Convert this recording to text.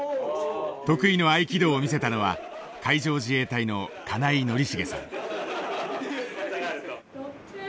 得意の合気道を見せたのは海上自衛隊の金井宣茂さん。